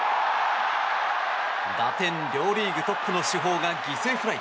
打点リーグトップの主砲が犠牲フライ。